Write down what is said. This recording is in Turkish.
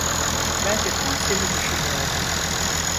Ben de tam seni düşünüyordum.